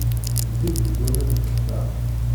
Zeddigit waman ṣṣfan.